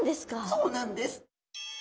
そうなんです。